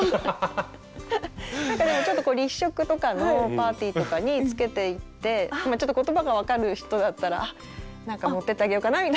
なんかでもちょっと立食とかのパーティーとかにつけていってちょっと言葉が分かる人だったらなんか持ってってあげようかなみたいな。